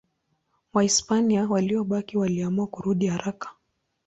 Wahispania waliobaki waliamua kurudi haraka.